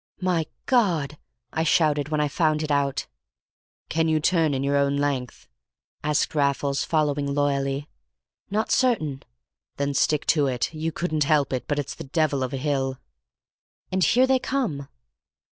"My God!" I shouted when I found it out. "Can you turn in your own length?" asked Raffles, following loyally. "Not certain." "Then stick to it. You couldn't help it. But it's the devil of a hill!" "And here they come!"